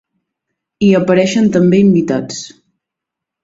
Hi apareixen també invitats.